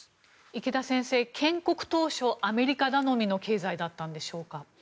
池田先生、建国当初アメリカ頼みの経済だったんでしょうか？